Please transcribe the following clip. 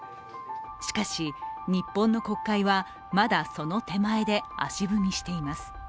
しかし、日本の国会はまだその手前で足踏みしています。